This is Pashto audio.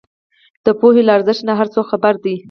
د پوهې له ارزښت نۀ هر څوک خبر دی